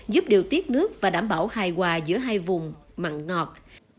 giúp điều tiết nước và đảm bảo hài hòa giữa hai vùng mặn ngọt